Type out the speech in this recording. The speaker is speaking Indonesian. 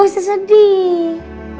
budi gak usah sedih